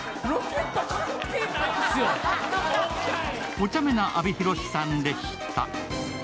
おちゃめな阿部寛さんでした。